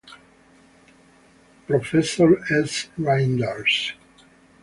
Professor S Reynders.